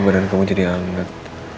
kalo badan kamu jadi hangat